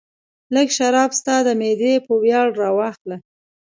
لږ شراب ستا د معدې په ویاړ راواخله.